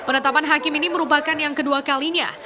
penetapan hakim ini merupakan yang kedua kalinya